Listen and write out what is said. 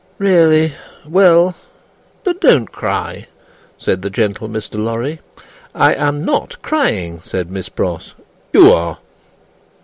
"Really? Well; but don't cry," said the gentle Mr. Lorry. "I am not crying," said Miss Pross; "you are."